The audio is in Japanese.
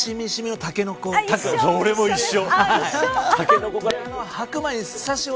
俺も一緒。